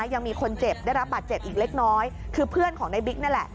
ยังมีคนเจ็บได้รับบาดเจ็บอีกเล็กน้อยคือเพื่อนของในบิ๊กนั่นแหละ